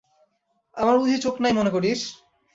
আমার বুঝি চোখ নাই মনে করিস?